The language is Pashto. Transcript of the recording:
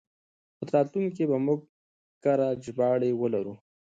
په راتلونکي کې به موږ کره ژباړې ولرو.